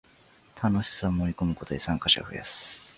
楽しさを盛りこむことで参加者を増やす